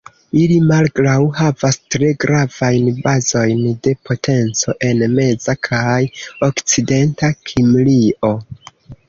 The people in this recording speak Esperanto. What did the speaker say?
Ili malgraŭ havas tre gravajn bazojn de potenco en meza kaj okcidenta Kimrio.